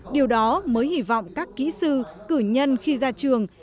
điều đó mới hy vọng các kỹ sư cử nhân khi ra trường